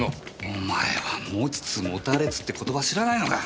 お前は持ちつ持たれつって言葉知らないのか？